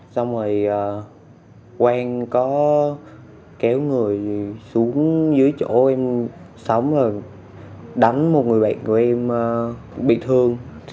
xong rồi quen có kéo người xuống dưới chỗ em sống rồi đánh một người bạn của em bị thương